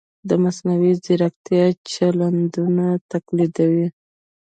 د مصنوعي ځیرکتیا چلندونه تقلیدوي.